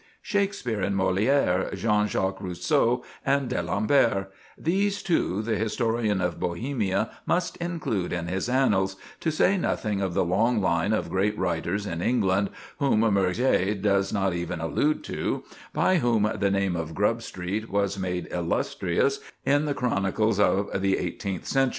Shakspere, and Molière, Jean Jacques Rousseau, and d'Alembert—these, too, the historian of Bohemia must include in his annals, to say nothing of the long line of great writers in England (whom Murger does not even allude to), by whom the name of Grub Street was made illustrious in the chronicles of the eighteenth century.